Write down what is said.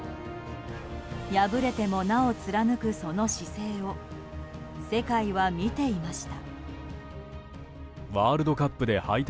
敗れても、なお貫くその姿勢を世界は見ていました。